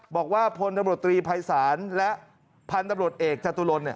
บอกว่าพลตำรวจตรีภัยศาลและพันธุ์ตำรวจเอกจตุรน